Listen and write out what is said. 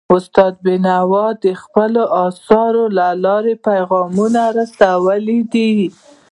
استاد بینوا د خپلو اثارو له لارې پیغامونه رسولي دي.